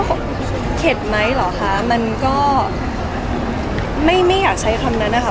เขาเข็ดไหมเหรอคะมันก็ไม่ไม่อยากใช้คำนั้นนะคะ